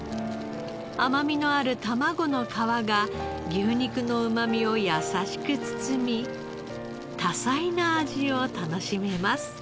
甘みのある卵の皮が牛肉のうまみを優しく包み多彩な味を楽しめます。